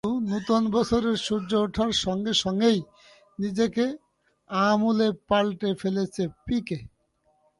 কিন্তু নতুন বছরের সূর্য ওঠার সঙ্গে সঙ্গেই নিজেকে আমূলে পাল্টে ফেলেছেন পিকে।